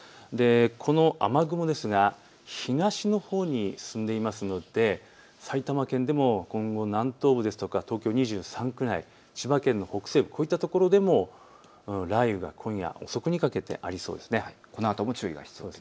この雨雲ですが東のほうに進んでいますので埼玉県でも今後、南東部や東京２３区内、千葉県の北西部、こういった所でも雷雨が今夜遅くにかけてありそうです。